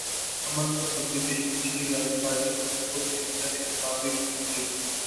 Among the publications she writes articles for is The Islamic Monthly.